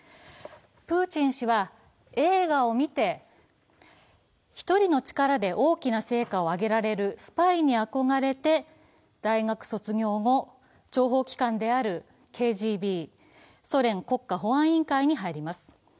プーチン氏は映画を見て、１人の力で大きな成果を挙げられるスパイに憧れて大学卒業後、諜報機関であるＫＧＢ＝ソ連国家保安委員会に入ります。